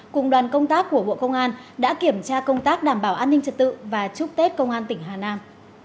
cùng đoàn công tác của bộ công an đã kiểm tra công tác đảm bảo an ninh trật tự và chúc tết công an tỉnh hà nam